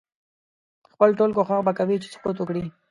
خپل ټول کوښښ به کوي چې سقوط وکړي.